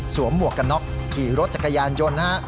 หมวกกันน็อกขี่รถจักรยานยนต์นะฮะ